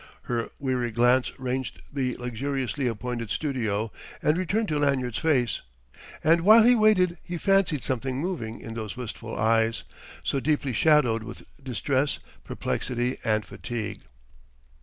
Her weary glance ranged the luxuriously appointed studio and returned to Lanyard's face; and while he waited he fancied something moving in those wistful eyes, so deeply shadowed with distress, perplexity, and fatigue.